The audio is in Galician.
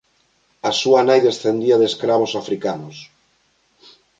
A súa nai descendía de escravos africanos.